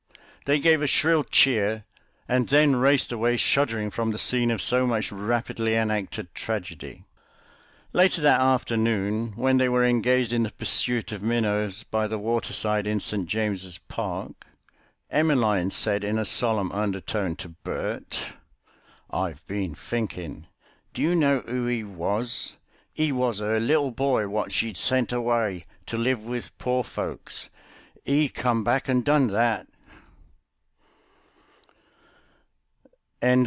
They gave a shrill cheer, and then raced away shuddering from the scene of so much rapidly enacted tragedy. Later that afternoon, when they were engaged in the pursuit of minnows by the waterside in St. James's Park, Emmeline said in a solemn undertone to Bert— "I've bin finking. Do you know oo 'e was? 'E was 'er little boy wot she'd sent away to live wiv poor folks. 'E come back and done that."